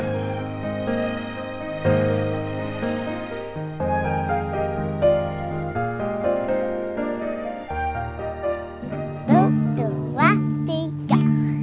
satu dua tiga